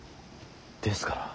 ですから。